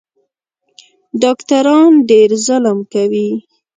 ډاکټران ډېر ظلم کوي